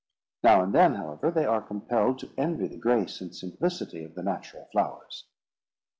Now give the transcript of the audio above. Now and then, however, they are compelled to envy the grace and simplicity of the natural flowers."